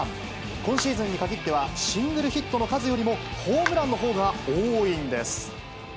今シーズンに限っては、シングルヒットの数よりもホームランのほうが多いんです。